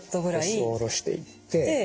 腰を下ろしていって。